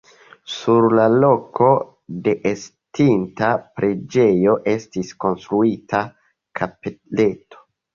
Sur la loko de estinta preĝejo estis konstruita kapeleto.